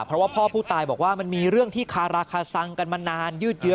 เพราะว่าพ่อผู้ตายบอกว่ามันมีเรื่องที่คาราคาซังกันมานานยืดเยอะ